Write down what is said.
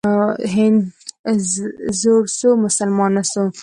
هندو زوړ سو ، مسلمان نه سو.